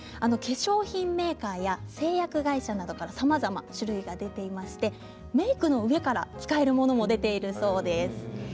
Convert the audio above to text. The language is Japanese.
化粧品メーカーや製薬会社などからさまざまな種類が出ていましてメークの上から使えるものも出ているそうです。